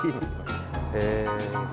へえ。